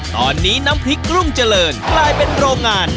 ตอนนี้น้ำพริกกรุงเจริญกลายเป็นโรงงาน